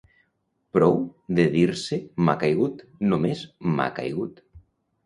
prou de dir se m'ha caigut, només m'ha caigut